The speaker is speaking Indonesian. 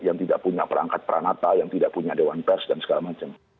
yang tidak punya perangkat peranata yang tidak punya dewan pers dan segala macam